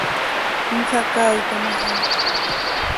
Insacaaitom aha.